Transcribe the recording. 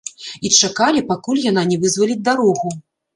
І чакалі, пакуль яна не вызваліць дарогу.